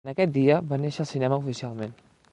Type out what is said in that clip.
En aquest dia va néixer el cinema oficialment.